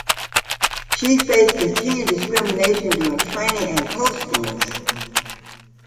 She faced continued discrimination during training and postings.